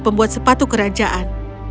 pembuat sepatu kerajaan